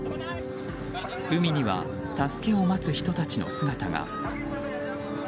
海には助けを待つ人たちの姿が。